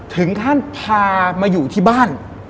ถึงขั้นพามาอยู่ที่บ้าน